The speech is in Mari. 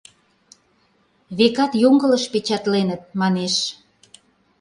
— Векат, йоҥылыш печатленыт, — манеш.